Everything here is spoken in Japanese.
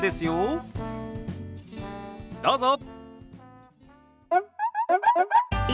どうぞ！